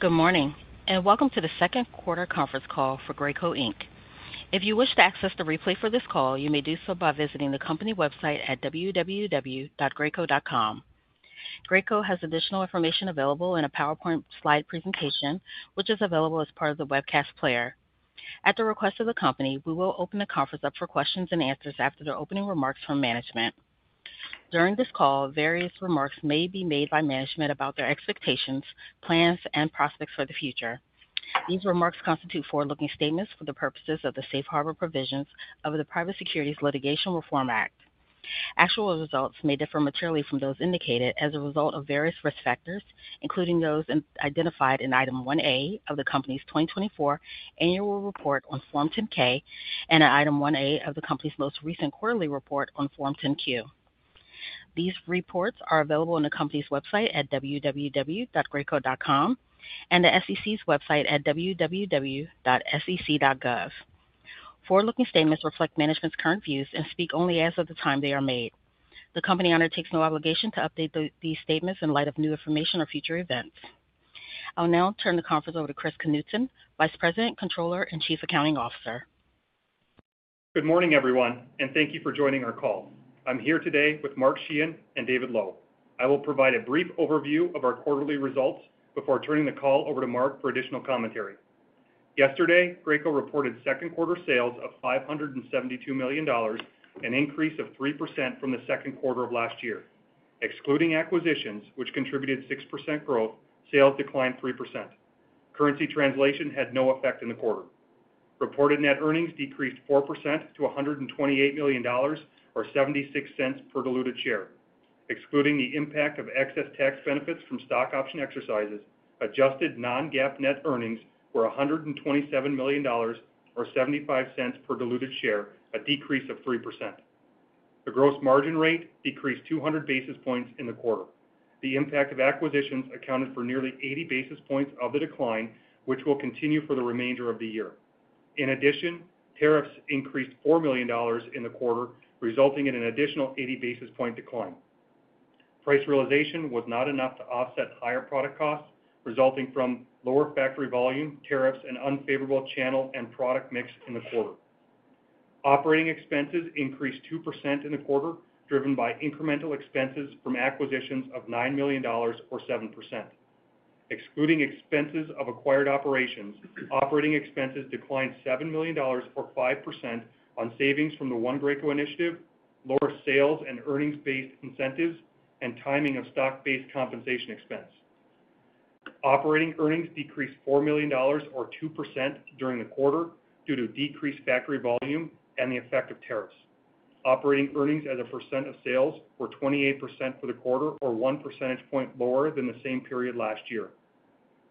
Good morning and welcome to the Second Quarter Conference Call for Graco Inc. If you wish to access the replay for this call, you may do so by visiting the company website at www.graco.com. Graco has additional information available in a PowerPoint slide presentation, which is available as part of the webcast player. At the request of the company, we will open the conference up for questions and answers after the opening remarks from management. During this call, various remarks may be made by management about their expectations, plans, and prospects for the future. These remarks constitute forward-looking statements for the purposes of the safe harbor provisions of the Private Securities Litigation Reform Act. Actual results may differ materially from those indicated as a result of various risk factors, including those identified in item 1A of the company's 2024 annual report on Form 10-K and item 1A of the company's most recent quarterly report on Form 10-Q. These reports are available on the company's website at www.graco.com and the SEC's website at www.sec.gov. Forward-looking statements reflect management's current views and speak only as of the time they are made. The company undertakes no obligation to update these statements in light of new information or future events. I'll now turn the conference over to Chris Knutson, Vice President, Controller, and Chief Accounting Officer. Good morning, everyone, and thank you for joining our call. I'm here today with Mark Sheahan and David Lowe. I will provide a brief overview of our quarterly results before turning the call over to Mark for additional commentary. Yesterday, Graco reported second quarter sales of $572 million, an increase of 3% from the second quarter of last year. Excluding acquisitions, which contributed 6% growth, sales declined 3%. Currency translation had no effect in the quarter. Reported net earnings decreased 4% to $128 million, or $0.76 per diluted share. Excluding the impact of excess tax benefits from stock option exercises, adjusted non-GAAP net earnings were $127 million, or $0.75 per diluted share, a decrease of 3%. The gross margin rate decreased 200 basis points in the quarter. The impact of acquisitions accounted for nearly 80 basis points of the decline, which will continue for the remainder of the year. In addition, tariffs increased $4 million in the quarter, resulting in an additional 80 basis point decline. Price realization was not enough to offset higher product costs, resulting from lower factory volume, tariffs, and unfavorable channel and product mix in the quarter. Operating expenses increased 2% in the quarter, driven by incremental expenses from acquisitions of $9 million, or 7%. Excluding expenses of acquired operations, operating expenses declined $7 million, or 5%, on savings from the One Graco initiative, lower sales and earnings-based incentives, and timing of stock-based compensation expense. Operating earnings decreased $4 million, or 2%, during the quarter due to decreased factory volume and the effect of tariffs. Operating earnings as a percent of sales were 28% for the quarter, or one percentage point lower than the same period last year.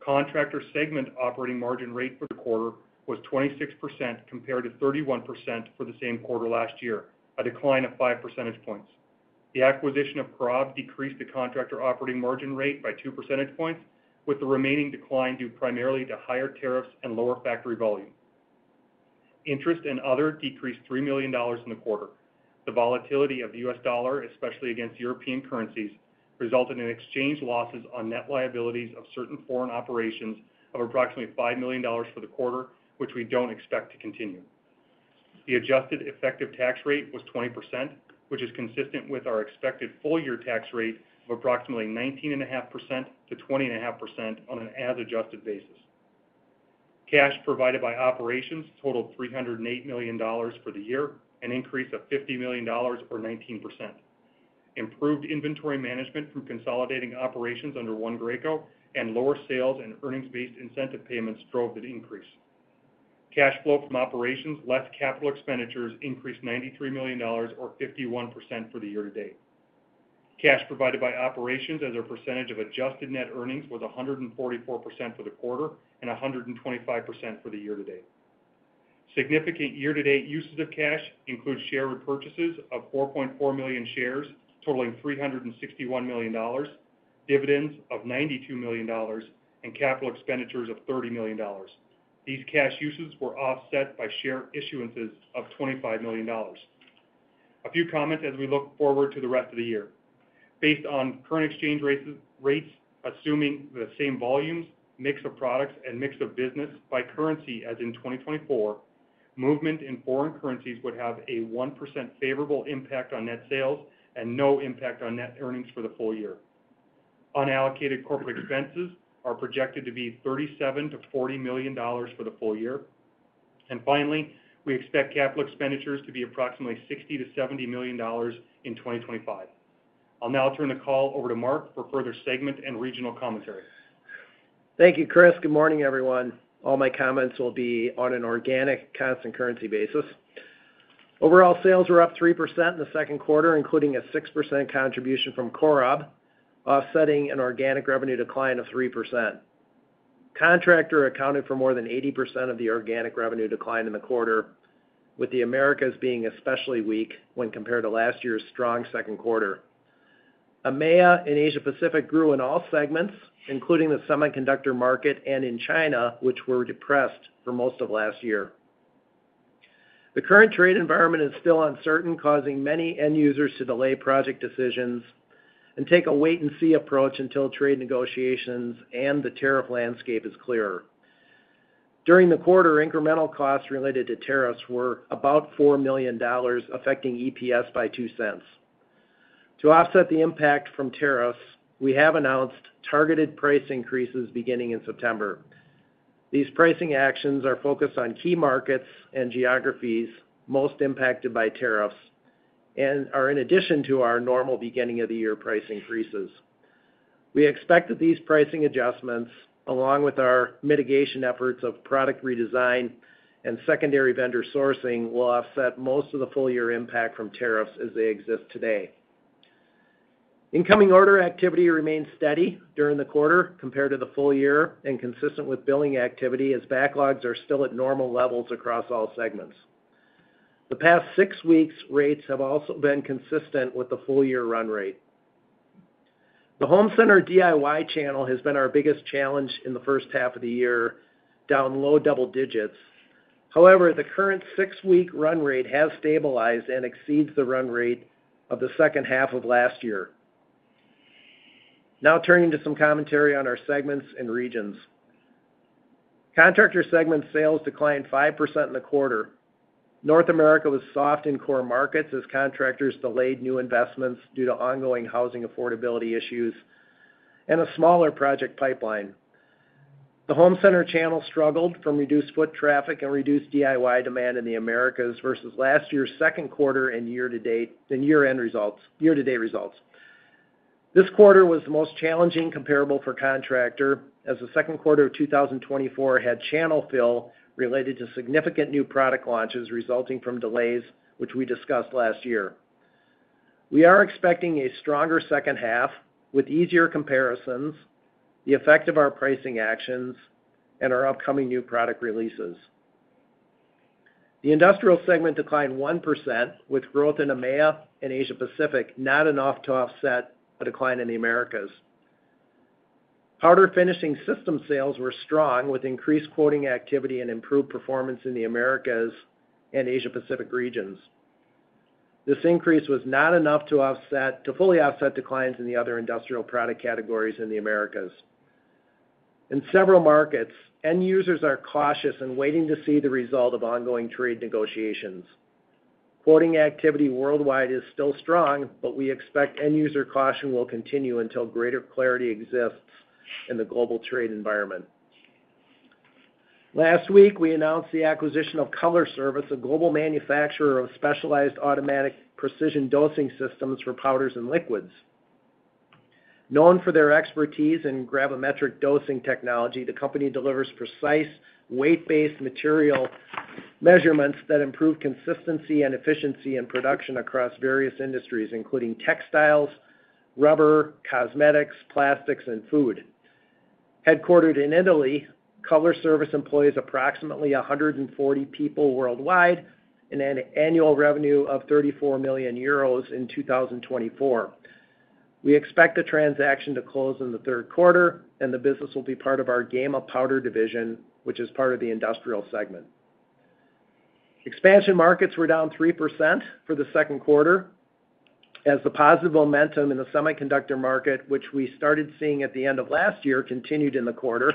Contractor segment operating margin rate for the quarter was 26% compared to 31% for the same quarter last year, a decline of five percentage points. The acquisition of COROB decreased the contractor operating margin rate by two percentage points, with the remaining decline due primarily to higher tariffs and lower factory volume. Interest and other decreased $3 million in the quarter. The volatility of the U.S. dollar, especially against European currencies, resulted in exchange losses on net liabilities of certain foreign operations of approximately $5 million for the quarter, which we don't expect to continue. The adjusted effective tax rate was 20%, which is consistent with our expected full-year tax rate of approximately 19.5%-20.5% on an as-adjusted basis. Cash provided by operations totaled $308 million for the year, an increase of $50 million, or 19%. Improved inventory management from consolidating operations under One Graco and lower sales and earnings-based incentive payments drove the increase. Cash flow from operations left capital expenditures increased $93 million, or 51%, for the year-to-date. Cash provided by operations as a percentage of adjusted net earnings was 144% for the quarter and 125% for the year-to-date. Significant year-to-date uses of cash include share repurchases of 4.4 million shares, totaling $361 million, dividends of $92 million, and capital expenditures of $30 million. These cash uses were offset by share issuances of $25 million. A few comments as we look forward to the rest of the year. Based on current exchange rates, assuming the same volumes, mix of products, and mix of business by currency as in 2024, movement in foreign currencies would have a 1% favorable impact on net sales and no impact on net earnings for the full year. Unallocated corporate expenses are projected to be $37 million-$40 million for the full year. Finally, we expect capital expenditures to be approximately $60 million-$70 million in 2025. I'll now turn the call over to Mark for further segment and regional commentary. Thank you, Chris. Good morning, everyone. All my comments will be on an organic constant currency basis. Overall, sales were up 3% in the second quarter, including a 6% contribution from COROB, offsetting an organic revenue decline of 3%. Contractor accounted for more than 80% of the organic revenue decline in the quarter, with the Americas being especially weak when compared to last year's strong second quarter. AMEA and Asia-Pacific grew in all segments, including the semiconductor market and in China, which were depressed for most of last year. The current trade environment is still uncertain, causing many end users to delay project decisions and take a wait-and-see approach until trade negotiations and the tariff landscape is clearer. During the quarter, incremental costs related to tariffs were about $4 million, affecting EPS by $0.02. To offset the impact from tariffs, we have announced targeted price increases beginning in September. These pricing actions are focused on key markets and geographies most impacted by tariffs and are in addition to our normal beginning-of-the-year price increases. We expect that these pricing adjustments, along with our mitigation efforts of product redesign and secondary vendor sourcing, will offset most of the full-year impact from tariffs as they exist today. Incoming order activity remains steady during the quarter compared to the full year and consistent with billing activity as backlogs are still at normal levels across all segments. The past six weeks' rates have also been consistent with the full-year run rate. The home center DIY channel has been our biggest challenge in the first half of the year, down low double digits. However, the current six-week run rate has stabilized and exceeds the run rate of the second half of last year. Now turning to some commentary on our segments and regions. Contractor segment sales declined 5% in the quarter. North America was soft in core markets as contractors delayed new investments due to ongoing housing affordability issues and a smaller project pipeline. The home center channel struggled from reduced foot traffic and reduced DIY demand in the Americas versus last year's second quarter and year-to-date and year-end results. This quarter was the most challenging comparable for contractor as the second quarter of 2024 had channel fill related to significant new product launches resulting from delays, which we discussed last year. We are expecting a stronger second half with easier comparisons, the effect of our pricing actions, and our upcoming new product releases. The industrial segment declined 1%, with growth in AMEA and Asia-Pacific not enough to offset a decline in the Americas. Powder finishing system sales were strong, with increased quoting activity and improved performance in the Americas and Asia-Pacific regions. This increase was not enough to fully offset declines in the other industrial product categories in the Americas. In several markets, end users are cautious and waiting to see the result of ongoing trade negotiations. Quoting activity worldwide is still strong, but we expect end user caution will continue until greater clarity exists in the global trade environment. Last week, we announced the acquisition of Color Service, a global manufacturer of specialized automatic precision dosing systems for powders and liquids. Known for their expertise in gravimetric dosing technology, the company delivers precise weight-based material measurements that improve consistency and efficiency in production across various industries, including textiles, rubber, cosmetics, plastics, and food. Headquartered in Italy, Color Service employs approximately 140 people worldwide and had an annual revenue of 34 million euros in 2024. We expect the transaction to close in the third quarter, and the business will be part of our Gema powder division, which is part of the industrial segment. Expansion markets were down 3% for the second quarter as the positive momentum in the semiconductor market, which we started seeing at the end of last year, continued in the quarter.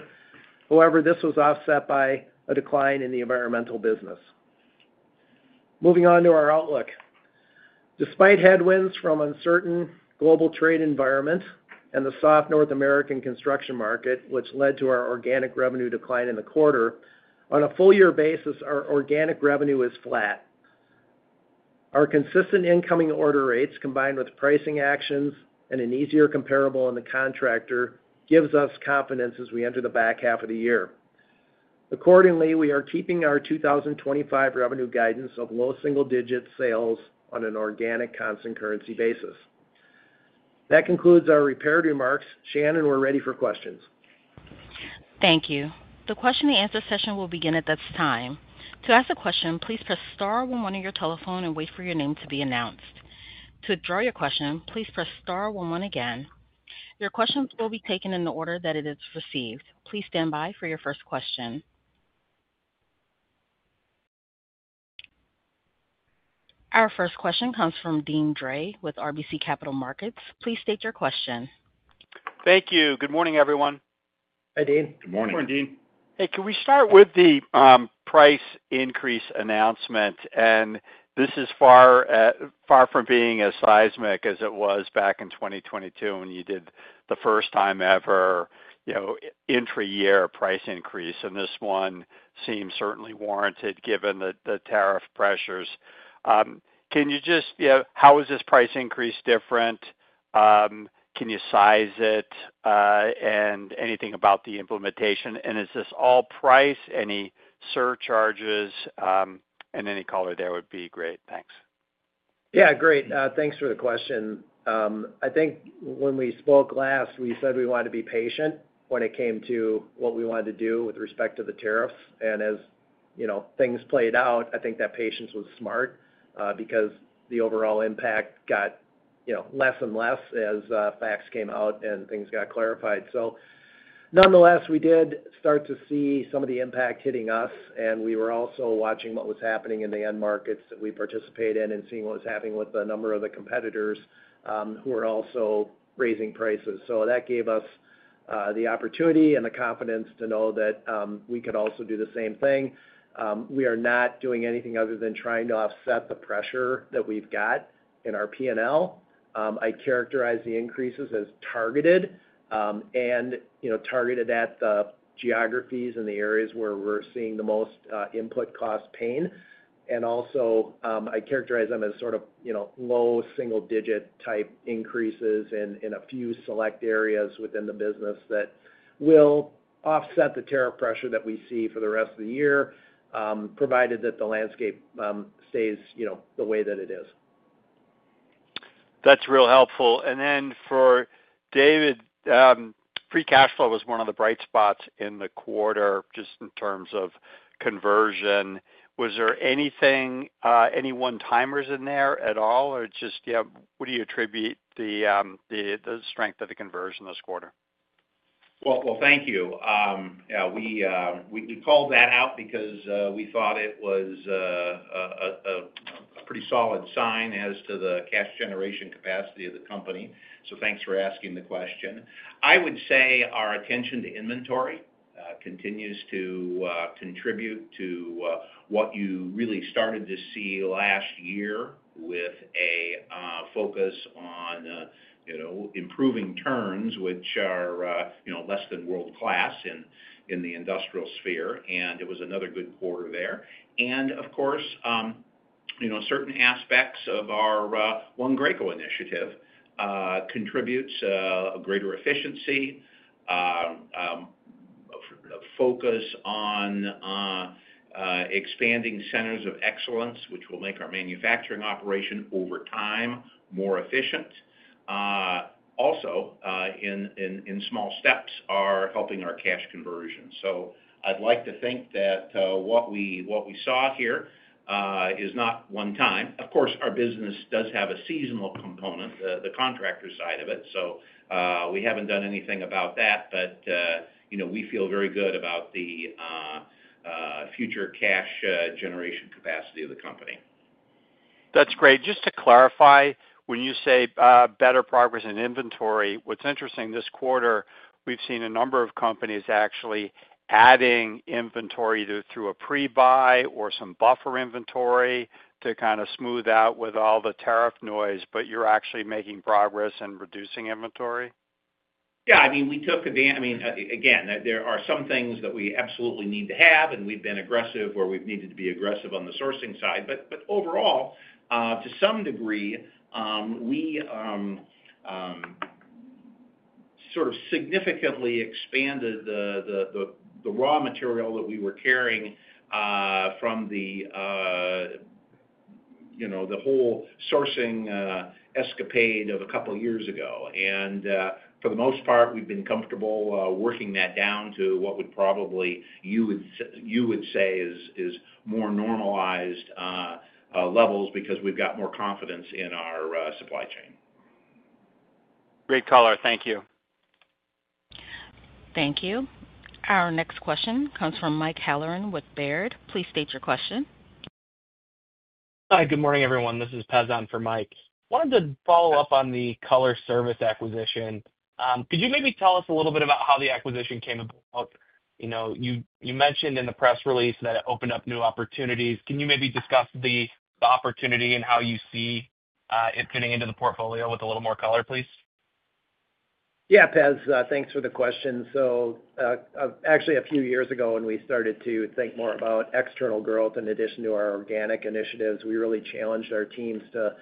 However, this was offset by a decline in the environmental business. Moving on to our outlook. Despite headwinds from an uncertain global trade environment and the soft North American construction market, which led to our organic revenue decline in the quarter, on a full-year basis, our organic revenue is flat. Our consistent incoming order rates, combined with pricing actions and an easier comparable on the contractor, give us confidence as we enter the back half of the year. Accordingly, we are keeping our 2025 revenue guidance of low single-digit sales on an organic constant currency basis. That concludes our prepared remarks. Shannon, we're ready for questions. Thank you. The question-and-answer session will begin at this time. To ask a question, please press star one one on your telephone and wait for your name to be announced. To withdraw your question, please press star 1 1 again. Your questions will be taken in the order that it is received. Please stand by for your first question. Our first question comes from Deane Dray with RBC Capital Markets. Please state your question. Thank you. Good morning, everyone. Hi, Dean. Good morning. Good morning, Deane. Hey, can we start with the price increase announcement? This is far from being as seismic as it was back in 2022 when you did the first time ever intro year price increase. This one seems certainly warranted given the tariff pressures. Can you just, how is this price increase different? Can you size it? Anything about the implementation? Is this all price? Any surcharges? Any color there would be great. Thanks. Yeah, great. Thanks for the question. I think when we spoke last, we said we wanted to be patient when it came to what we wanted to do with respect to the tariffs. As things played out, I think that patience was smart because the overall impact got less and less as facts came out and things got clarified. Nonetheless, we did start to see some of the impact hitting us. We were also watching what was happening in the end markets that we participate in and seeing what was happening with a number of the competitors who were also raising prices. That gave us the opportunity and the confidence to know that we could also do the same thing. We are not doing anything other than trying to offset the pressure that we have got in our P&L. I characterize the increases as targeted, and targeted at the geographies and the areas where we are seeing the most input cost pain. I also characterize them as sort of low single-digit type increases in a few select areas within the business that will offset the tariff pressure that we see for the rest of the year, provided that the landscape stays the way that it is. That's real helpful. For David, free cash flow was one of the bright spots in the quarter, just in terms of conversion. Was there anything, any one-timers in there at all? Or just, yeah, what do you attribute the strength of the conversion this quarter? Thank you. Yeah, we called that out because we thought it was a pretty solid sign as to the cash generation capacity of the company. Thanks for asking the question. I would say our attention to inventory continues to contribute to what you really started to see last year with a focus on improving turns, which are less than world-class in the industrial sphere. It was another good quarter there. Of course, certain aspects of our One Graco initiative contribute to greater efficiency. Focus on expanding centers of excellence, which will make our manufacturing operation over time more efficient. Also, in small steps, are helping our cash conversion. I'd like to think that what we saw here is not one time. Of course, our business does have a seasonal component, the contractor side of it. We have not done anything about that, but we feel very good about the future cash generation capacity of the company. That's great. Just to clarify, when you say better progress in inventory, what's interesting this quarter, we've seen a number of companies actually adding inventory through a pre-buy or some buffer inventory to kind of smooth out with all the tariff noise, but you're actually making progress and reducing inventory? Yeah, I mean, we took a day. I mean, again, there are some things that we absolutely need to have, and we've been aggressive where we've needed to be aggressive on the sourcing side. Overall, to some degree, we sort of significantly expanded the raw material that we were carrying from the whole sourcing escapade of a couple of years ago. For the most part, we've been comfortable working that down to what would probably you would say is more normalized levels because we've got more confidence in our supply chain. Great color. Thank you. Thank you. Our next question comes from Mike Halloran with Baird. Please state your question. Hi, good morning, everyone. This is Pazan for Mike. I wanted to follow up on the Color Service acquisition. Could you maybe tell us a little bit about how the acquisition came about? You mentioned in the press release that it opened up new opportunities. Could you maybe discuss the opportunity and how you see it fitting into the portfolio with a little more color, please? Yeah, Paz, thanks for the question. Actually, a few years ago when we started to think more about external growth in addition to our organic initiatives, we really challenged our teams to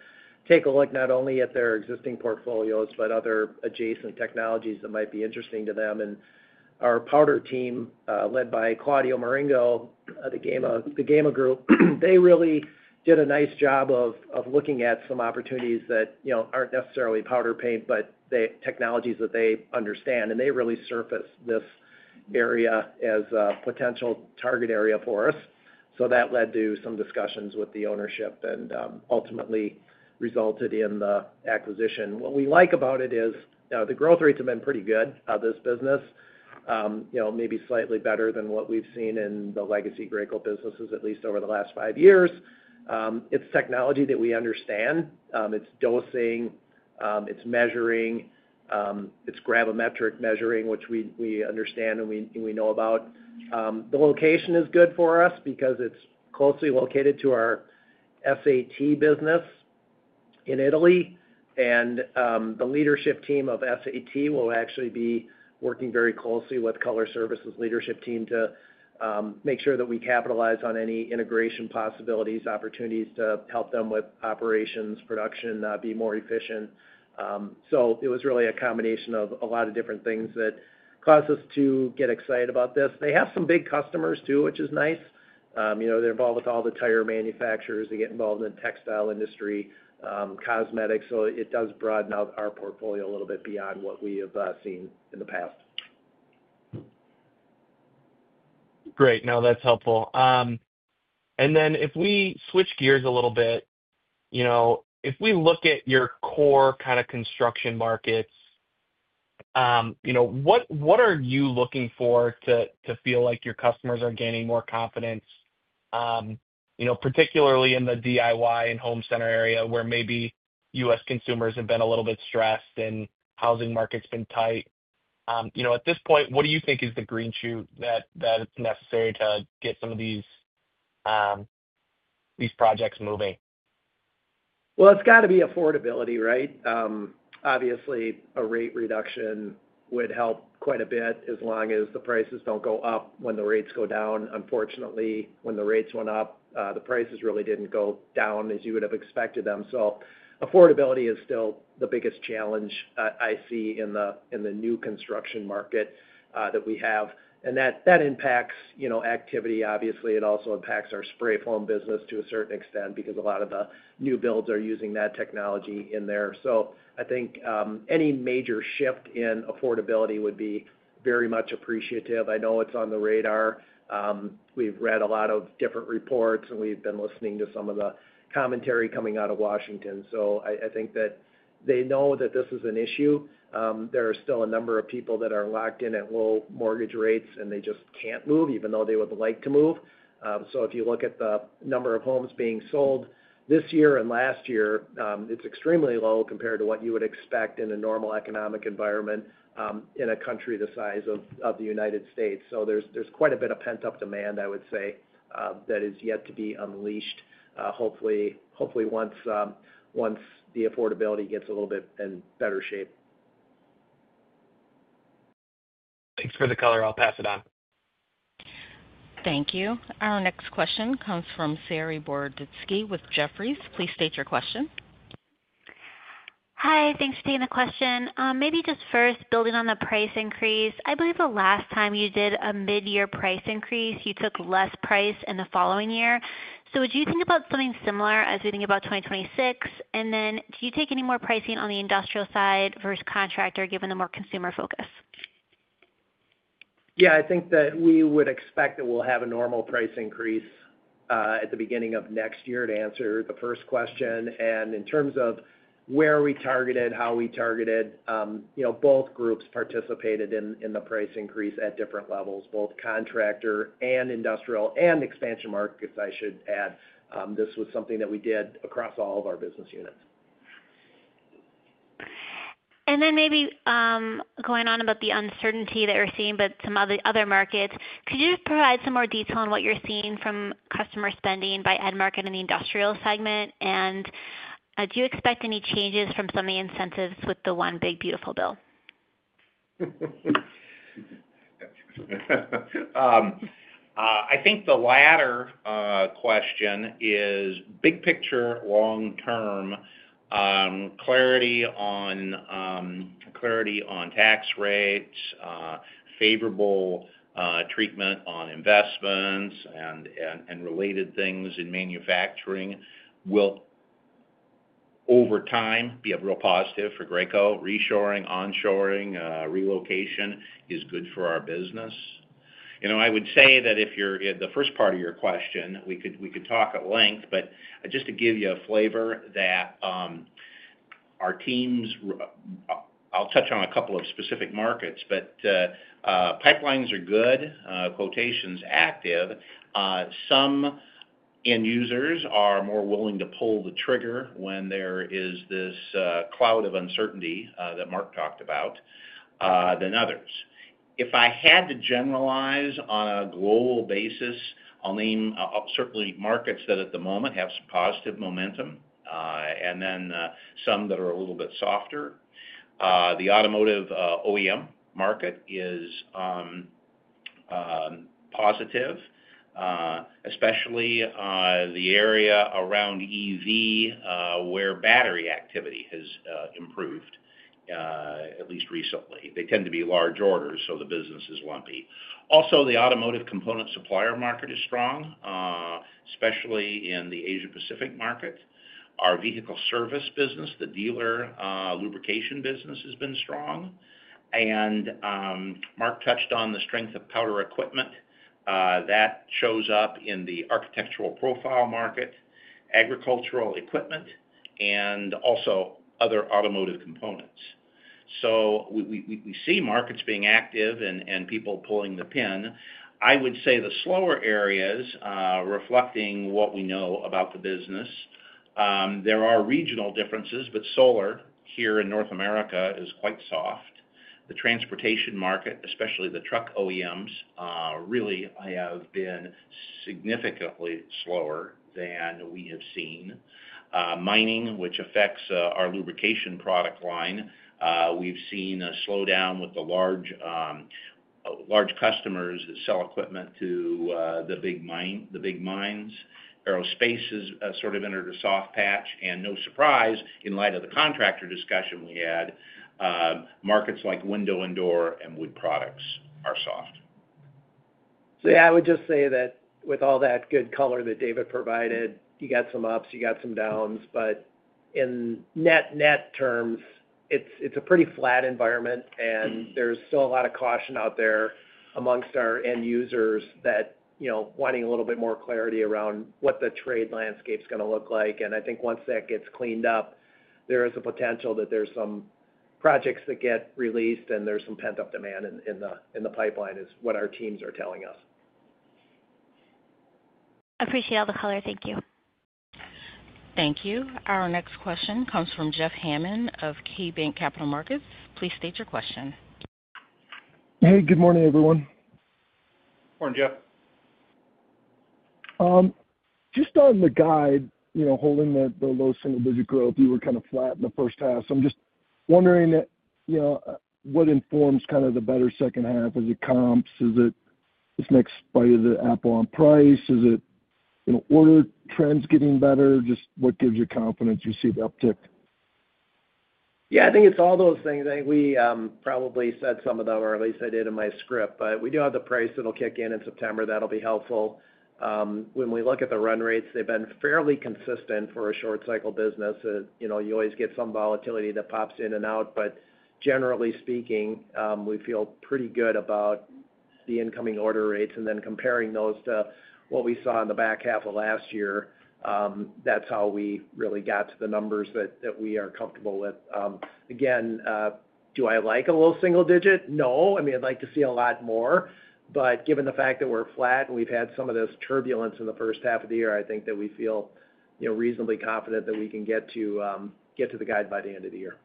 take a look not only at their existing portfolios, but other adjacent technologies that might be interesting to them. Our powder team, led by [Claudio Marengo] of the Gema group, they really did a nice job of looking at some opportunities that are not necessarily powder paint, but technologies that they understand. They really surfaced this area as a potential target area for us. That led to some discussions with the ownership and ultimately resulted in the acquisition. What we like about it is the growth rates have been pretty good of this business, maybe slightly better than what we have seen in the legacy Graco businesses, at least over the last five years. It is technology that we understand. It is dosing. It is measuring. It is gravimetric measuring, which we understand and we know about. The location is good for us because it is closely located to our SAT business in Italy. The leadership team of SAT will actually be working very closely with Color Service's leadership team to make sure that we capitalize on any integration possibilities, opportunities to help them with operations, production, be more efficient. It was really a combination of a lot of different things that caused us to get excited about this. They have some big customers too, which is nice. They are involved with all the tire manufacturers. They get involved in the textile industry, cosmetics. It does broaden out our portfolio a little bit beyond what we have seen in the past. Great. No, that's helpful. If we switch gears a little bit, if we look at your core kind of construction markets, what are you looking for to feel like your customers are gaining more confidence? Particularly in the DIY and home center area where maybe U.S. consumers have been a little bit stressed and housing markets have been tight. At this point, what do you think is the green shoot that is necessary to get some of these projects moving? It has got to be affordability, right? Obviously, a rate reduction would help quite a bit as long as the prices do not go up when the rates go down. Unfortunately, when the rates went up, the prices really did not go down as you would have expected them. Affordability is still the biggest challenge I see in the new construction market that we have. That impacts activity, obviously, and also impacts our spray foam business to a certain extent because a lot of the new builds are using that technology in there. I think any major shift in affordability would be very much appreciated. I know it is on the radar. We have read a lot of different reports, and we have been listening to some of the commentary coming out of Washington. I think that they know that this is an issue. There are still a number of people that are locked in at low mortgage rates, and they just cannot move even though they would like to move. If you look at the number of homes being sold this year and last year, it is extremely low compared to what you would expect in a normal economic environment in a country the size of the United States. There is quite a bit of pent-up demand, I would say, that is yet to be unleashed, hopefully, once the affordability gets a little bit in better shape. Thanks for the color. I'll pass it on. Thank you. Our next question comes from Saree Boroditsky with Jefferies. Please state your question. Hi, thanks for taking the question. Maybe just first, building on the price increase, I believe the last time you did a mid-year price increase, you took less price in the following year. Would you think about something similar as we think about 2026? Do you take any more pricing on the industrial side versus contractor given the more consumer focus? Yeah, I think that we would expect that we'll have a normal price increase at the beginning of next year to answer the first question. In terms of where are we targeted, how are we targeted, both groups participated in the price increase at different levels, both contractor and industrial and expansion markets, I should add. This was something that we did across all of our business units. Maybe going on about the uncertainty that we're seeing, but some of the other markets, could you provide some more detail on what you're seeing from customer spending by end market in the industrial segment? Do you expect any changes from some of the incentives with the one big beautiful bill? I think the latter question is big picture, long-term. Clarity on tax rates, favorable treatment on investments, and related things in manufacturing will over time be a real positive for Graco. Reshoring, onshoring, relocation is good for our business. I would say that if you're in the first part of your question, we could talk at length, but just to give you a flavor, our teams—I'll touch on a couple of specific markets, but pipelines are good, quotations active. Some end users are more willing to pull the trigger when there is this cloud of uncertainty that Mark talked about than others. If I had to generalize on a global basis, I'll name certainly markets that at the moment have some positive momentum and then some that are a little bit softer. The automotive OEM market is positive, especially the area around EV where battery activity has improved, at least recently. They tend to be large orders, so the business is lumpy. Also, the automotive component supplier market is strong, especially in the Asia-Pacific market. Our vehicle service business, the dealer lubrication business, has been strong. Mark touched on the strength of powder equipment. That shows up in the architectural profile market, agricultural equipment, and also other automotive components. We see markets being active and people pulling the pin. I would say the slower areas, reflecting what we know about the business, there are regional differences, but solar here in North America is quite soft. The transportation market, especially the truck OEMs, really have been significantly slower than we have seen. Mining, which affects our lubrication product line, we've seen a slowdown with the large customers that sell equipment to the big mines. Aerospace has sort of entered a soft patch. No surprise, in light of the contractor discussion we had, markets like window and door and wood products are soft. Yeah, I would just say that with all that good color that David provided, you got some ups, you got some downs, but in net terms, it's a pretty flat environment. There's still a lot of caution out there amongst our end users that are wanting a little bit more clarity around what the trade landscape is going to look like. I think once that gets cleaned up, there is a potential that there's some projects that get released and there's some pent-up demand in the pipeline is what our teams are telling us. Appreciate all the color. Thank you. Thank you. Our next question comes from Jeff Hammond of KeyBanc Capital Markets. Please state your question. Hey, good morning, everyone. Morning, Jeff. Just on the guide, holding the low single-digit growth, you were kind of flat in the first half. I am just wondering. What informs kind of the better second half? Is it comps? Is it this next bite of the apple on price? Is it order trends getting better? Just what gives you confidence you see the uptick? Yeah, I think it's all those things. I think we probably said some of them, or at least I did in my script. We do have the price that'll kick in in September. That'll be helpful. When we look at the run rates, they've been fairly consistent for a short-cycle business. You always get some volatility that pops in and out. Generally speaking, we feel pretty good about the incoming order rates. Then comparing those to what we saw in the back half of last year, that's how we really got to the numbers that we are comfortable with. Again, do I like a low single digit? No. I mean, I'd like to see a lot more. Given the fact that we're flat and we've had some of this turbulence in the first half of the year, I think that we feel reasonably confident that we can get to the guide by the end of the year.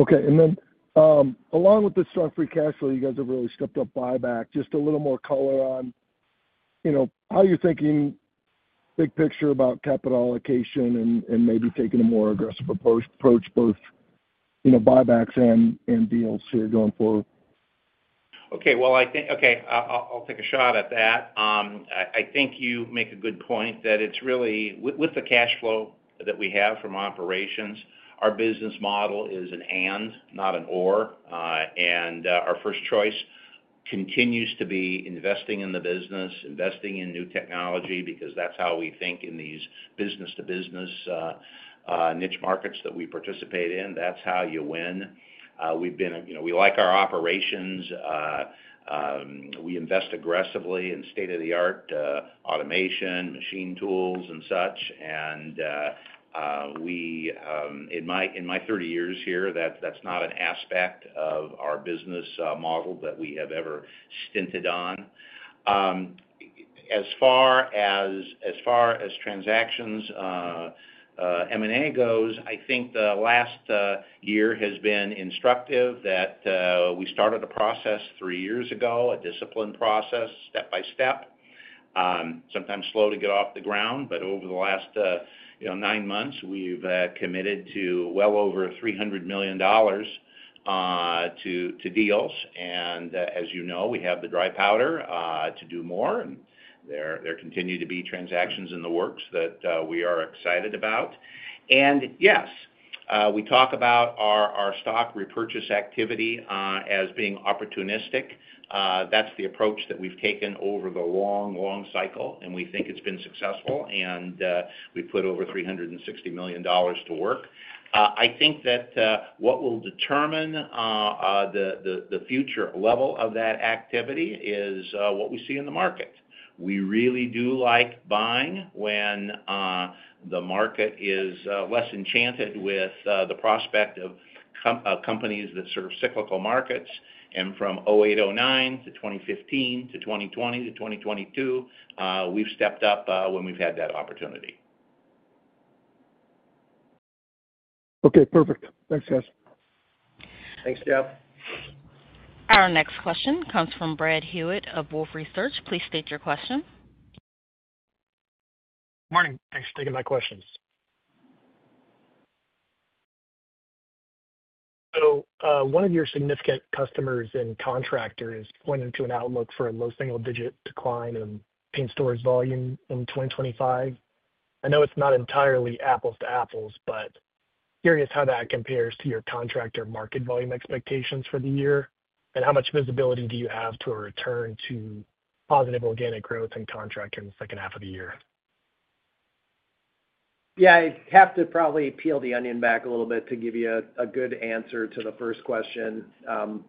Okay. And then, along with the strong free cash flow, you guys have really stepped up buyback. Just a little more color on how you're thinking big picture about capital allocation and maybe taking a more aggressive approach, both buybacks and deals here going forward. Okay. I'll take a shot at that. I think you make a good point that it's really with the cash flow that we have from operations, our business model is an and, not an or. Our first choice continues to be investing in the business, investing in new technology because that's how we think in these business-to-business niche markets that we participate in. That's how you win. We like our operations. We invest aggressively in state-of-the-art automation, machine tools, and such. In my 30 years here, that's not an aspect of our business model that we have ever stinted on. As far as transactions, M&A goes, I think the last year has been instructive that we started a process three years ago, a disciplined process, step by step. Sometimes slow to get off the ground, but over the last nine months, we've committed to well over $300 million to deals. As you know, we have the dry powder to do more. There continue to be transactions in the works that we are excited about. Yes, we talk about our stock repurchase activity as being opportunistic. That's the approach that we've taken over the long, long cycle, and we think it's been successful. We put over $360 million to work. I think that what will determine the future level of that activity is what we see in the market. We really do like buying when the market is less enchanted with the prospect of companies that serve cyclical markets. From 2008, 2009 to 2015 to 2020 to 2022, we've stepped up when we've had that opportunity. Okay. Perfect. Thanks, guys. Thanks, Jeff. Our next question comes from Brad Hewitt of Wolfe Research. Please state your question. Morning. Thanks for taking my questions. One of your significant customers and contractors pointed to an outlook for a low single-digit decline in paint stores volume in 2025. I know it's not entirely apples to apples, but curious how that compares to your contractor market volume expectations for the year. How much visibility do you have to a return to positive organic growth and contract in the second half of the year? Yeah, I'd have to probably peel the onion back a little bit to give you a good answer to the first question,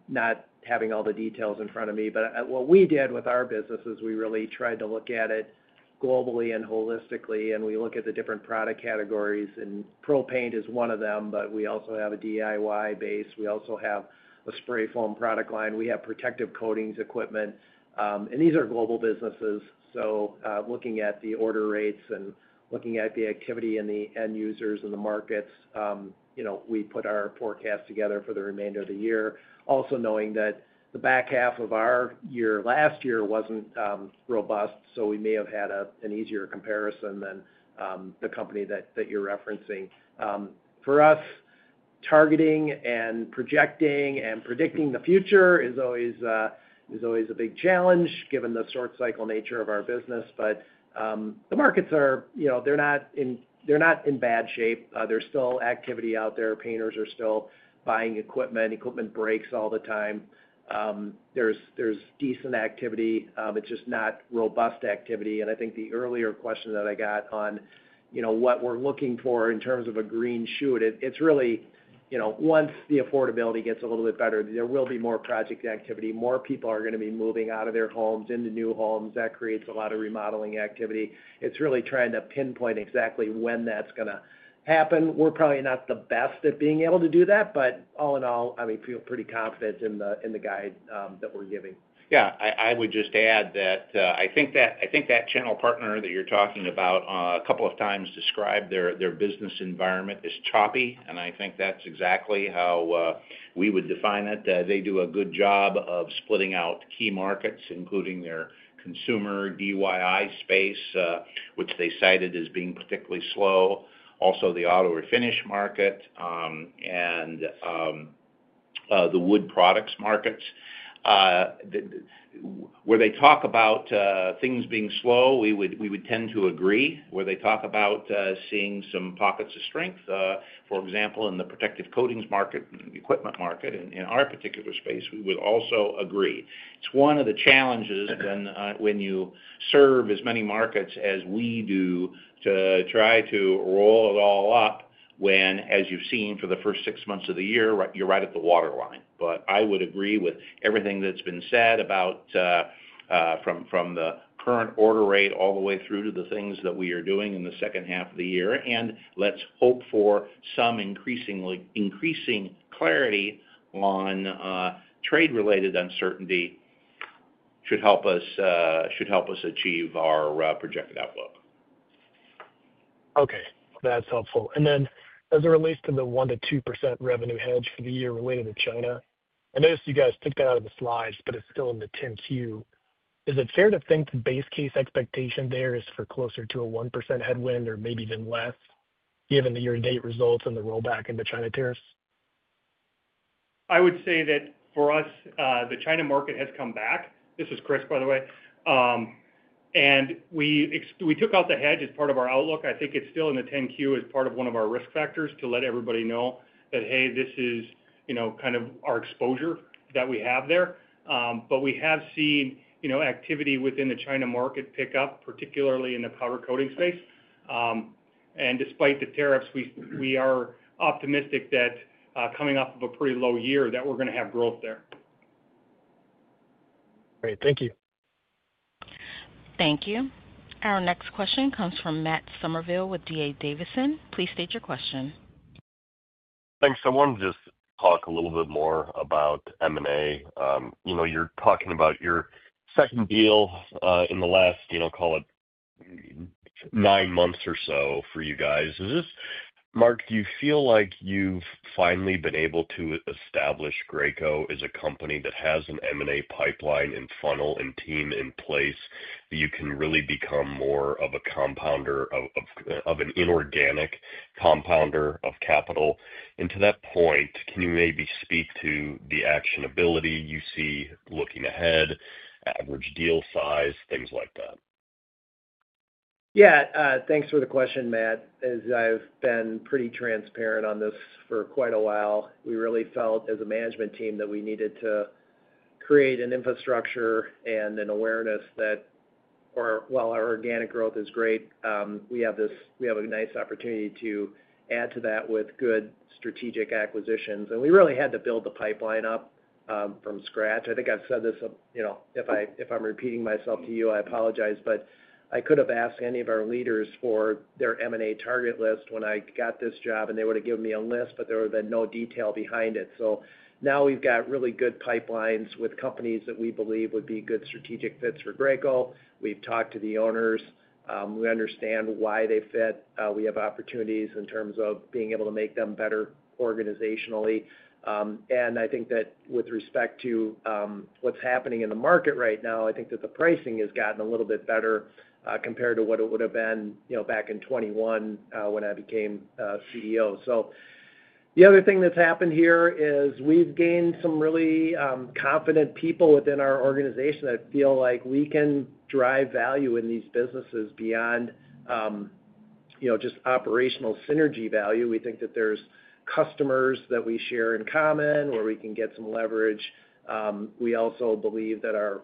not having all the details in front of me. What we did with our business is we really tried to look at it globally and holistically. We look at the different product categories, and Pro paint is one of them, but we also have a DIY base. We also have a spray foam product line. We have protective coatings equipment. These are global businesses. Looking at the order rates and looking at the activity in the end users and the markets, we put our forecast together for the remainder of the year. Also knowing that the back half of our year last year was not robust, we may have had an easier comparison than the company that you're referencing. For us, targeting and projecting and predicting the future is always a big challenge given the short-cycle nature of our business. The markets, they're not in bad shape. There's still activity out there. Painters are still buying equipment. Equipment breaks all the time. There's decent activity. It's just not robust activity. I think the earlier question that I got on what we're looking for in terms of a green shoot, it's really once the affordability gets a little bit better, there will be more project activity. More people are going to be moving out of their homes into new homes. That creates a lot of remodeling activity. It's really trying to pinpoint exactly when that's going to happen. We're probably not the best at being able to do that, but all in all, I feel pretty confident in the guide that we're giving. Yeah. I would just add that I think that channel partner that you're talking about a couple of times described their business environment as choppy. I think that's exactly how we would define it. They do a good job of splitting out key markets, including their consumer DIY space, which they cited as being particularly slow. Also, the auto or finish market and the wood products markets. Where they talk about things being slow, we would tend to agree. Where they talk about seeing some pockets of strength, for example, in the protective coatings market and equipment market, in our particular space, we would also agree. It's one of the challenges when you serve as many markets as we do to try to roll it all up when, as you've seen for the first six months of the year, you're right at the waterline. I would agree with everything that's been said about, from the current order rate all the way through to the things that we are doing in the second half of the year. Let's hope for some increasing clarity on trade-related uncertainty. Should help us achieve our projected outlook. Okay. That's helpful. Then, as it relates to the 1%-2% revenue headwind for the year related to China, I noticed you guys picked that out of the slides, but it's still in the 10-Q. Is it fair to think the base case expectation there is for closer to a 1% headwind or maybe even less, given the year-to-date results and the rollback into China tariffs? I would say that for us, the China market has come back. This is Chris, by the way. We took out the hedge as part of our outlook. I think it's still in the 10-Q as part of one of our risk factors to let everybody know that, hey, this is kind of our exposure that we have there. We have seen activity within the China market pick up, particularly in the powder coating space. Despite the tariffs, we are optimistic that coming off of a pretty low year, we're going to have growth there. Great. Thank you. Thank you. Our next question comes from Matt Summerville with D.A. Davidson. Please state your question. Thanks. I wanted to just talk a little bit more about M&A. You're talking about your second deal in the last, call it, nine months or so for you guys. Mark, do you feel like you've finally been able to establish Graco as a company that has an M&A pipeline and funnel and team in place that you can really become more of a compounder, of an inorganic compounder of capital? To that point, can you maybe speak to the actionability you see looking ahead, average deal size, things like that? Yeah. Thanks for the question, Matt. As I've been pretty transparent on this for quite a while, we really felt, as a management team, that we needed to create an infrastructure and an awareness that while our organic growth is great, we have a nice opportunity to add to that with good strategic acquisitions. We really had to build the pipeline up from scratch. I think I've said this. If I'm repeating myself to you, I apologize, but I could have asked any of our leaders for their M&A target list when I got this job, and they would have given me a list, but there would have been no detail behind it. Now we've got really good pipelines with companies that we believe would be good strategic fits for Graco. We've talked to the owners. We understand why they fit. We have opportunities in terms of being able to make them better organizationally. I think that with respect to what's happening in the market right now, I think that the pricing has gotten a little bit better compared to what it would have been back in 2021 when I became CEO. The other thing that's happened here is we've gained some really confident people within our organization that feel like we can drive value in these businesses beyond just operational synergy value. We think that there's customers that we share in common where we can get some leverage. We also believe that our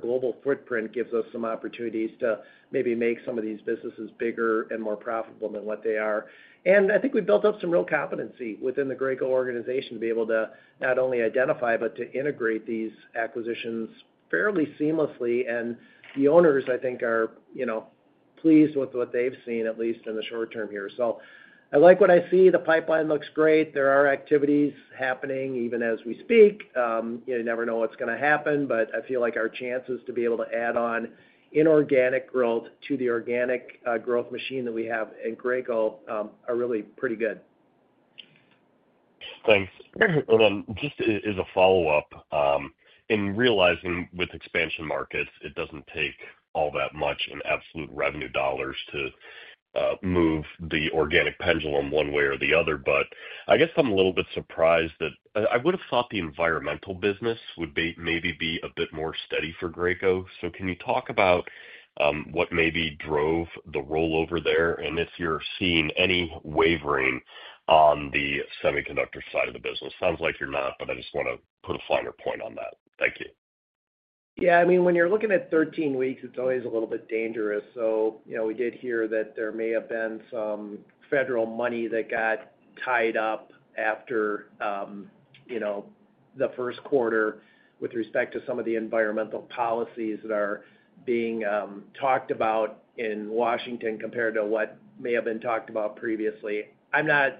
global footprint gives us some opportunities to maybe make some of these businesses bigger and more profitable than what they are. I think we built up some real competency within the Graco organization to be able to not only identify, but to integrate these acquisitions fairly seamlessly. The owners, I think, are pleased with what they've seen, at least in the short term here. I like what I see. The pipeline looks great. There are activities happening even as we speak. You never know what's going to happen, but I feel like our chances to be able to add on inorganic growth to the organic growth machine that we have in Graco are really pretty good. Thanks. Just as a follow-up, in realizing with expansion markets, it does not take all that much in absolute revenue dollars to move the organic pendulum one way or the other. I guess I am a little bit surprised. I would have thought the environmental business would maybe be a bit more steady for Graco. Can you talk about what maybe drove the rollover there? If you are seeing any wavering on the semiconductor side of the business, it sounds like you are not, but I just want to put a finer point on that. Thank you. Yeah. I mean, when you're looking at 13 weeks, it's always a little bit dangerous. We did hear that there may have been some federal money that got tied up after the first quarter with respect to some of the environmental policies that are being talked about in Washington compared to what may have been talked about previously. I'm not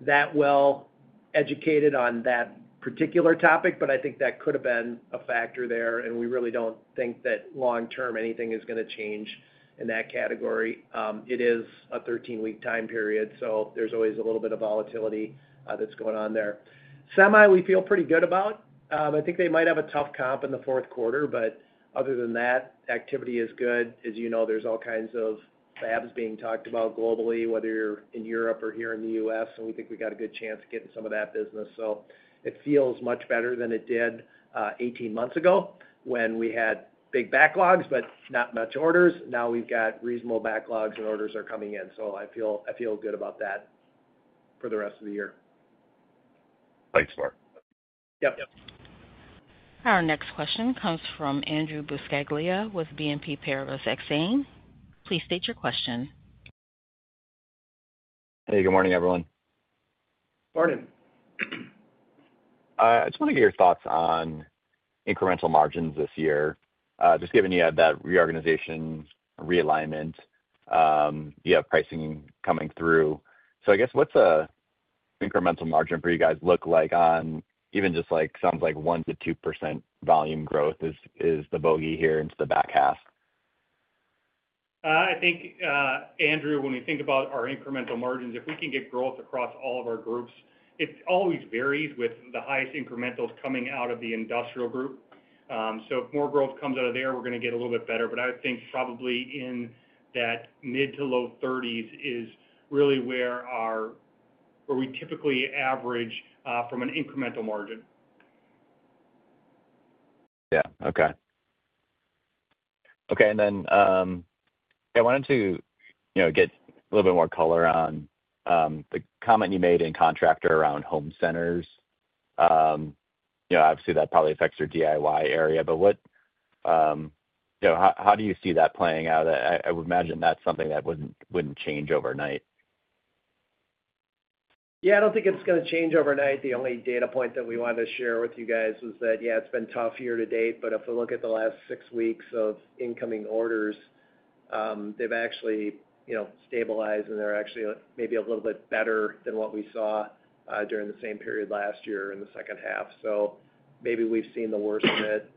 that well educated on that particular topic, but I think that could have been a factor there. We really do not think that long-term anything is going to change in that category. It is a 13-week time period, so there's always a little bit of volatility that's going on there. Semi, we feel pretty good about. I think they might have a tough comp in the fourth quarter, but other than that, activity is good. As you know, there's all kinds of fabs being talked about globally, whether you're in Europe or here in the U.S.. We think we got a good chance of getting some of that business. It feels much better than it did 18 months ago when we had big backlogs, but not much orders. Now we've got reasonable backlogs and orders are coming in. I feel good about that for the rest of the year. Thanks, Mark. Yep. Our next question comes from Andrew Buscaglia with BNP Paribas Exane. Please state your question. Hey, good morning, everyone. Morning. I just want to get your thoughts on incremental margins this year, just given you had that reorganization, realignment. You have pricing coming through. I guess what's an incremental margin for you guys look like on even just like sounds like 1%-2% volume growth is the bogey here into the back half? I think, Andrew, when you think about our incremental margins, if we can get growth across all of our groups, it always varies with the highest incrementals coming out of the industrial group. If more growth comes out of there, we're going to get a little bit better. I think probably in that mid to low 30% is really where we typically average from an incremental margin. Yeah. Okay. Okay. I wanted to get a little bit more color on the comment you made in contractor around home centers. Obviously, that probably affects your DIY area, but how do you see that playing out? I would imagine that's something that wouldn't change overnight. Yeah. I do not think it is going to change overnight. The only data point that we wanted to share with you guys was that, yeah, it has been tough year to date. If we look at the last six weeks of incoming orders, they have actually stabilized, and they are actually maybe a little bit better than what we saw during the same period last year in the second half. Maybe we have seen the worst of it.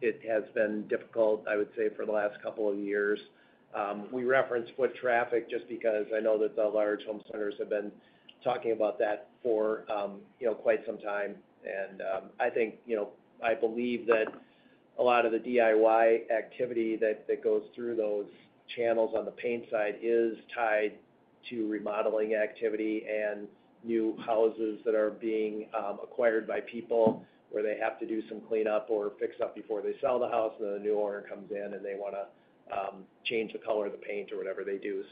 It has been difficult, I would say, for the last couple of years. We referenced foot traffic just because I know that the large home centers have been talking about that for quite some time. I think, I believe that a lot of the DIY activity that goes through those channels on the paint side is tied to remodeling activity and new houses that are being acquired by people where they have to do some cleanup or fix up before they sell the house. Then a new owner comes in, and they want to change the color of the paint or whatever they do.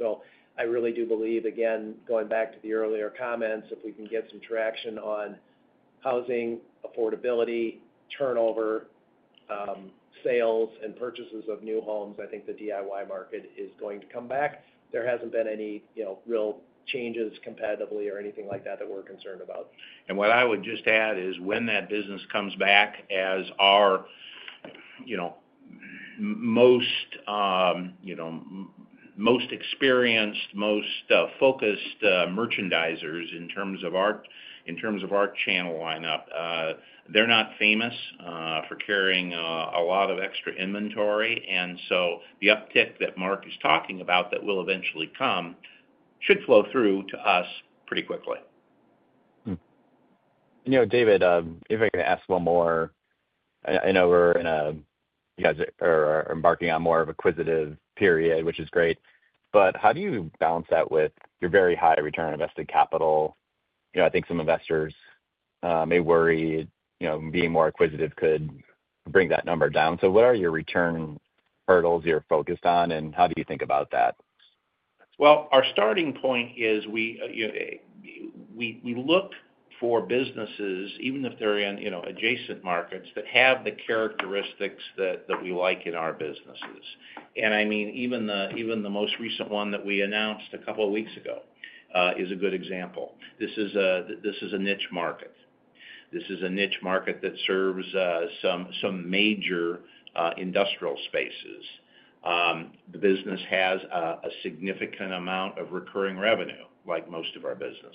I really do believe, again, going back to the earlier comments, if we can get some traction on housing, affordability, turnover, sales, and purchases of new homes, I think the DIY market is going to come back. There has not been any real changes competitively or anything like that that we are concerned about. What I would just add is when that business comes back as our most experienced, most focused merchandisers in terms of our channel lineup, they're not famous for carrying a lot of extra inventory. The uptick that Mark is talking about that will eventually come should flow through to us pretty quickly. David, if I could ask one more, I know we're in a, you guys are embarking on more of an acquisitive period, which is great. How do you balance that with your very high return on invested capital? I think some investors may worry being more acquisitive could bring that number down. What are your return hurdles you're focused on, and how do you think about that? Our starting point is, we look for businesses, even if they're in adjacent markets, that have the characteristics that we like in our businesses. I mean, even the most recent one that we announced a couple of weeks ago is a good example. This is a niche market. This is a niche market that serves some major industrial spaces. The business has a significant amount of recurring revenue, like most of our businesses.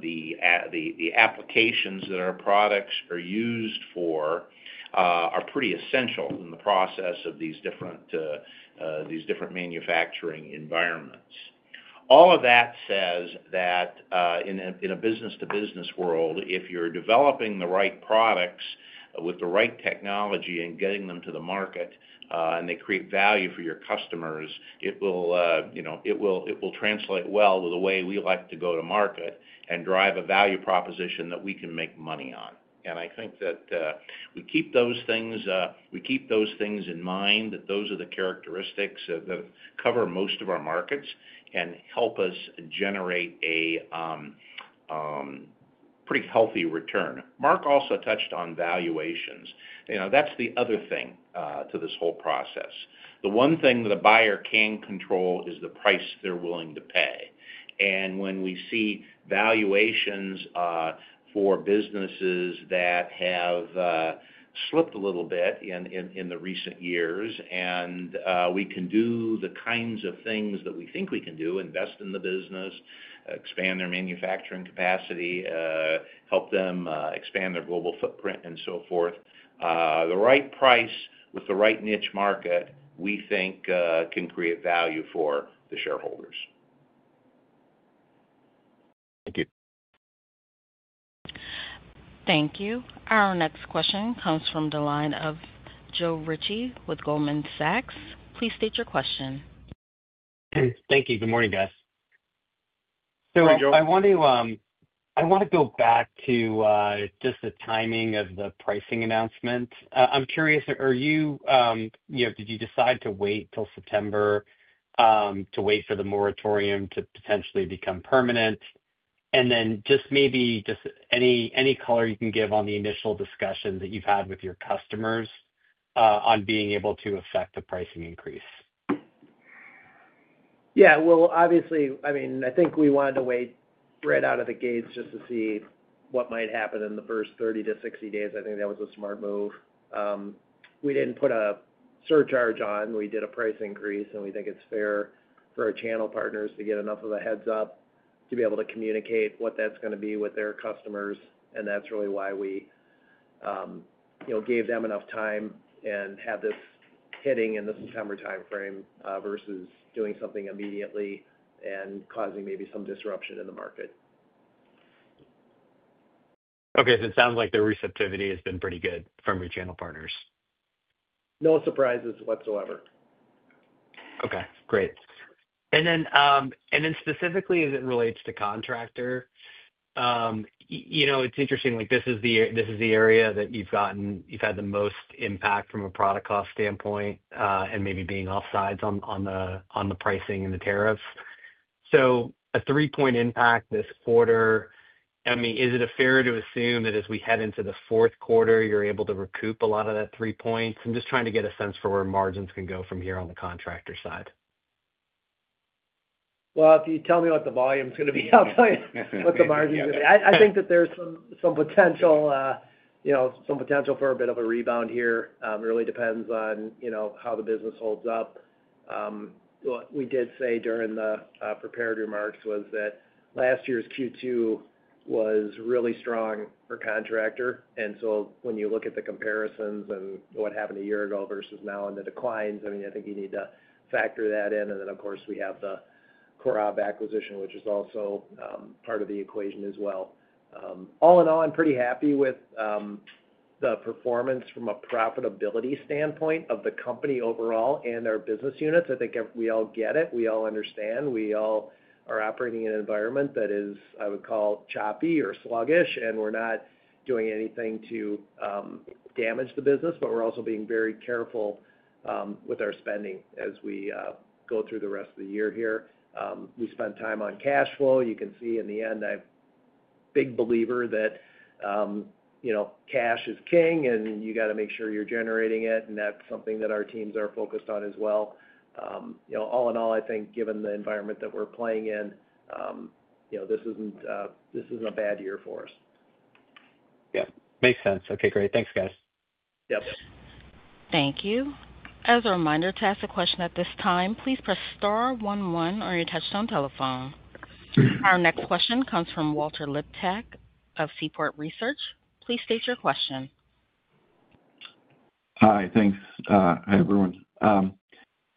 The applications that our products are used for are pretty essential in the process of these different manufacturing environments. All of that says that in a business-to-business world, if you're developing the right products with the right technology and getting them to the market and they create value for your customers, it will translate well with the way we like to go to market and drive a value proposition that we can make money on. I think that we keep those things in mind, that those are the characteristics that cover most of our markets and help us generate a pretty healthy return. Mark also touched on valuations. That's the other thing to this whole process. The one thing that a buyer can control is the price they're willing to pay. When we see valuations for businesses that have slipped a little bit in the recent years, and we can do the kinds of things that we think we can do, invest in the business, expand their manufacturing capacity, help them expand their global footprint, and so forth. The right price with the right niche market, we think, can create value for the shareholders. Thank you. Thank you. Our next question comes from the line of Joe Ritchie with Goldman Sachs. Please state your question. Thank you. Good morning, guys. Hey, Joe. I want to go back to just the timing of the pricing announcement. I'm curious, did you decide to wait till September to wait for the moratorium to potentially become permanent? And then just maybe just any color you can give on the initial discussion that you've had with your customers on being able to affect the pricing increase. Yeah. Obviously, I mean, I think we wanted to wait right out of the gates just to see what might happen in the first 30-60 days. I think that was a smart move. We didn't put a surcharge on. We did a price increase, and we think it's fair for our channel partners to get enough of a heads-up to be able to communicate what that's going to be with their customers. That's really why we gave them enough time and had this hitting in the September timeframe versus doing something immediately and causing maybe some disruption in the market. Okay. So it sounds like the receptivity has been pretty good from your channel partners. No surprises whatsoever. Okay. Great. Then specifically, as it relates to contractor. It's interesting. This is the area that you've had the most impact from a product cost standpoint and maybe being offsides on the pricing and the tariffs. A three-point impact this quarter, I mean, is it fair to assume that as we head into the fourth quarter, you're able to recoup a lot of that three points? I'm just trying to get a sense for where margins can go from here on the contractor side. If you tell me what the volume's going to be, I'll tell you what the margins are going to be. I think that there's some potential for a bit of a rebound here. It really depends on how the business holds up. What we did say during the preparatory marks was that last year's Q2 was really strong for contractor. When you look at the comparisons and what happened a year ago versus now and the declines, I mean, I think you need to factor that in. Of course, we have the COROB acquisition, which is also part of the equation as well. All in all, I'm pretty happy with the performance from a profitability standpoint of the company overall and our business units. I think we all get it. We all understand. We all are operating in an environment that is, I would call, choppy or sluggish, and we're not doing anything to damage the business, but we're also being very careful with our spending as we go through the rest of the year here. We spent time on cash flow. You can see in the end, I'm a big believer that cash is king, and you got to make sure you're generating it. That's something that our teams are focused on as well. All in all, I think, given the environment that we're playing in, this isn't a bad year for us. Yeah. Makes sense. Okay. Great. Thanks, guys. Yep. Thank you. As a reminder to ask a question at this time, please press star one one on your touchstone telephone. Our next question comes from Walter Liptak of Seaport Research. Please state your question. Hi. Thanks, everyone.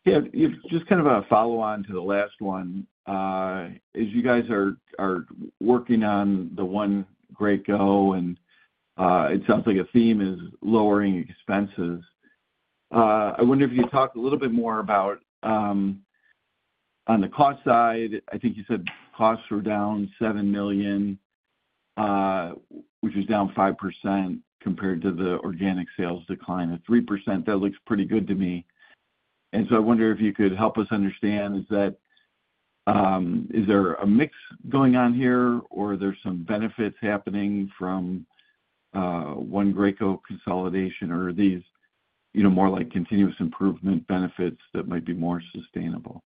Just kind of a follow-on to the last one. As you guys are working on the one great goal, and it sounds like a theme is lowering expenses. I wonder if you could talk a little bit more about, on the cost side. I think you said costs were down $7 million, which is down 5% compared to the organic sales decline at 3%. That looks pretty good to me. I wonder if you could help us understand, is there a mix going on here, or are there some benefits happening from one great goal consolidation, or are these more like continuous improvement benefits that might be more sustainable?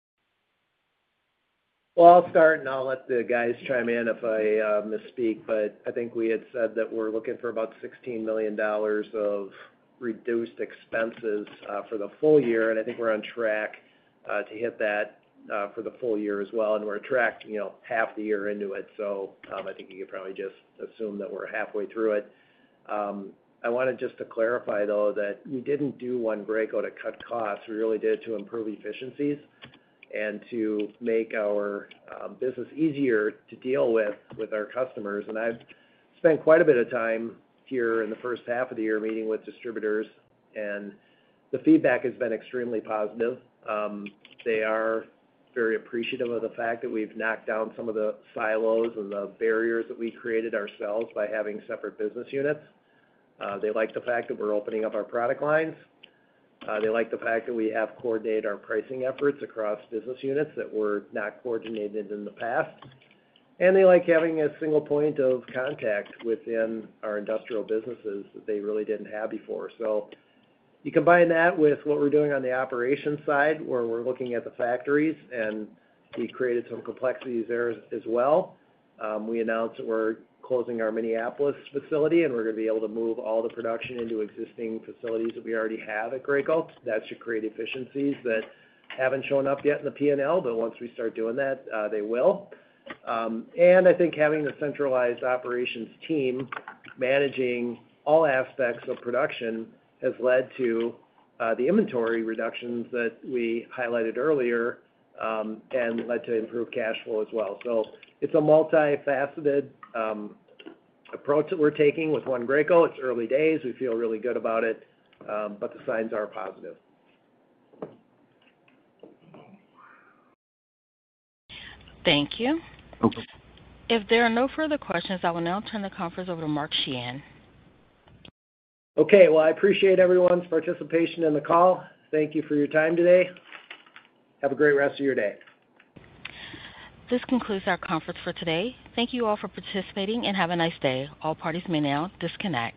I'll start, and I'll let the guys chime in if I misspeak. I think we had said that we're looking for about $16 million of reduced expenses for the full year. I think we're on track to hit that for the full year as well. We're tracking half the year into it. I think you could probably just assume that we're halfway through it. I wanted just to clarify, though, that we didn't do one great goal to cut costs. We really did it to improve efficiencies and to make our business easier to deal with our customers. I've spent quite a bit of time here in the first half of the year meeting with distributors, and the feedback has been extremely positive. They are very appreciative of the fact that we've knocked down some of the silos and the barriers that we created ourselves by having separate business units. They like the fact that we're opening up our product lines. They like the fact that we have coordinated our pricing efforts across business units that were not coordinated in the past. They like having a single point of contact within our industrial businesses that they really didn't have before. You combine that with what we're doing on the operation side, where we're looking at the factories, and we created some complexities there as well. We announced that we're closing our Minneapolis facility, and we're going to be able to move all the production into existing facilities that we already have at Gray Gulch. That should create efficiencies that haven't shown up yet in the P&L, but once we start doing that, they will. I think having the centralized operations team managing all aspects of production has led to the inventory reductions that we highlighted earlier and led to improved cash flow as well. It's a multifaceted approach that we're taking with one great goal. It's early days. We feel really good about it, but the signs are positive. Thank you. If there are no further questions, I will now turn the conference over to Mark Sheahan. Okay. I appreciate everyone's participation in the call. Thank you for your time today. Have a great rest of your day. This concludes our conference for today. Thank you all for participating and have a nice day. All parties may now disconnect.